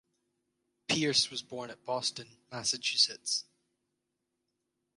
Pearce was born at Boston, Massachusetts.